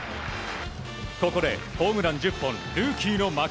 ここでホームラン１０本ルーキーの牧。